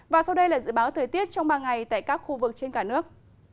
và sau đây là dự báo thời tiết trong ba ngày tại các khu vực trên cả nước